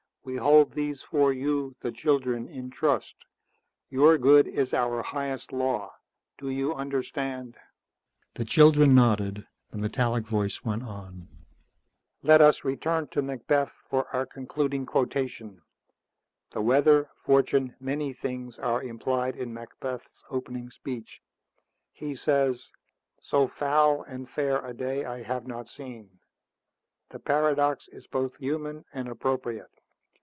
We hold these for you, the children, in trust. Your good is our highest law. Do you understand?" The children nodded. The metallic voice went on. "Let us return to Macbeth for our concluding quotation. The weather, fortune, many things are implied in Macbeth's opening speech. He says, 'So foul and fair a day I have not seen.' The paradox is both human and appropriate.